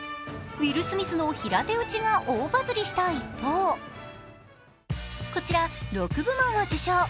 ウィル・スミスの平手打ちが大バズリした一方、こちら６部門を受賞。